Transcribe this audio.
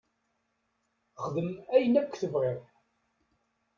Xdem ayen akk tebɣiḍ.